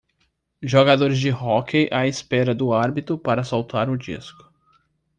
Jogadores de hóquei à espera do árbitro para soltar o disco